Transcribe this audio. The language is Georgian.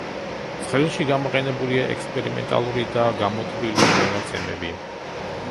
ცხრილში გამოყენებულია ექსპერიმენტალური და გამოთვლილი მონაცემები.